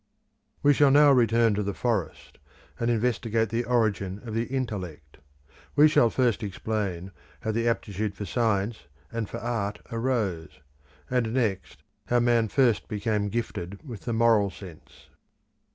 We shall now return to the forest and investigate the origin of intellect; we shall first explain how the aptitude for science and for art arose; and next how man first became gifted with the moral sense.